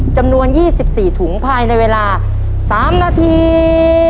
และ๑๔ถุงภายในเวลา๓นาที